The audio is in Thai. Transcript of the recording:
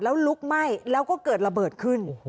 แล้วลุกไหม้แล้วก็เกิดระเบิดขึ้น